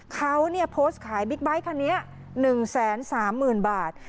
เขาเนี่ยขายบิ๊กไบท์คันนี้หนึ่งแสนสามหมื่นบาท